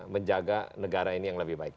menjaga negara ini yang lebih baik